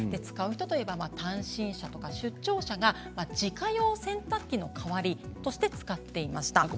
使う人といえば単身者や出張者が自家用洗濯機の代わりとして使っていました。